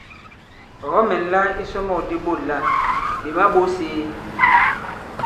Ɔ̀ kɔ-mɛ̀nla isɔmɔ̂k di ɓôt là "ɓè ma-ɓōs ēe?".